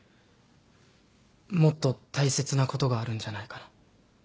もっと大切なことがあるんじゃないかな。